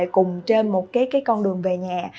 cùng trên một cái con đường về nhà